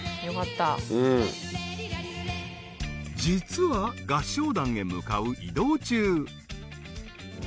［実は合唱団へ向かう移動中］